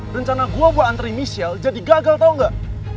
rencana gue buat anterin michelle jadi gagal tau gak